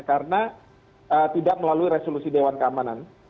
karena tidak melalui resolusi dewan keamanan